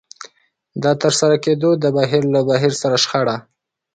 د ترسره کېدو د بهير له بهير سره شخړه.